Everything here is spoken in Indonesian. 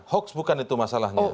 hoaks bukan itu masalahnya